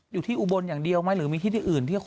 อยู่ที่อุบลอย่างเดียวไหมหรือมีที่อื่นที่คน